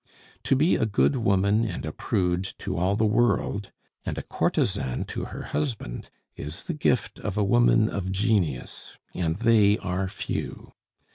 To be a good woman and a prude to all the world, and a courtesan to her husband, is the gift of a woman of genius, and they are few.